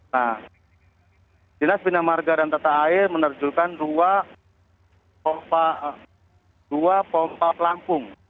nah dinas bina marga dan tata air menerjukan dua pompa pelampung